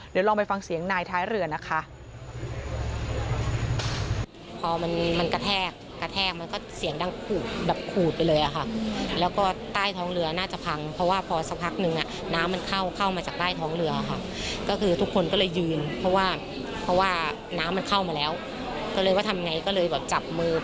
เดี๋ยวลองไปฟังเสียงนายท้ายเรือนะคะ